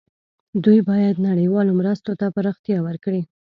دوی باید نړیوالو مرستو ته پراختیا ورکړي.